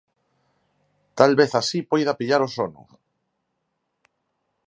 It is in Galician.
Talvez así poida pillar o sono.